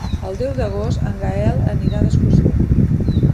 El deu d'agost en Gaël anirà d'excursió.